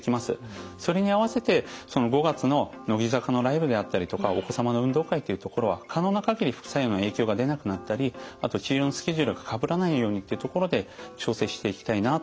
それに合わせて５月の乃木坂のライブであったりとかお子様の運動会っていうところは可能な限り副作用の影響が出なくなったりあと治療のスケジュールがかぶらないようにっていうところで調整していきたいなと。